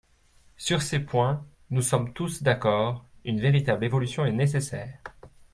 Sur ces points, nous sommes tous d’accord, une véritable évolution est nécessaire.